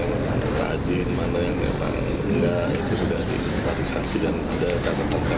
ada timpangan dari doeseng apes resmi dari pana pana